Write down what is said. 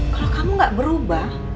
kalau kamu gak berubah